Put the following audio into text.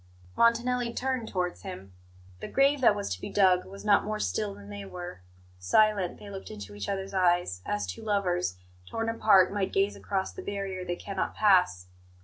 Montanelli turned towards him. The grave that was to be dug was not more still than they were. Silent, they looked into each other's eyes, as two lovers, torn apart, might gaze across the barrier they cannot pass.